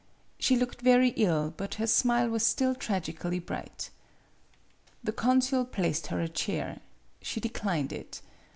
She looked very ill; but her smile was still tragically bright. The consul placed her a chair. She de clined it.